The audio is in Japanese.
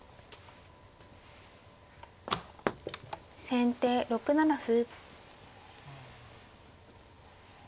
先手６七歩。